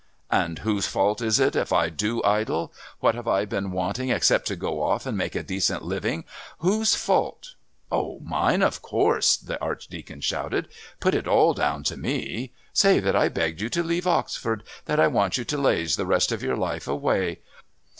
"And whose fault is it if I do idle? What have I been wanting except to go off and make a decent living? Whose fault ?" "Oh, mine, of course!" the Archdeacon shouted. "Put it all down to me! Say that I begged you to leave Oxford, that I want you to laze the rest of your life away.